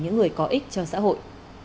những người có ích cho xã hội